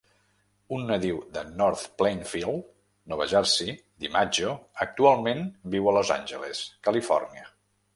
Un nadiu de North Plainfield, Nova Jersey, DiMaggio actualment viu a Los Angeles, Califòrnia.